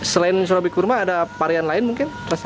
selain surabi kurma ada varian lain mungkin